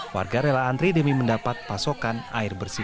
warga rela antre demi mendapat pasokan air bersih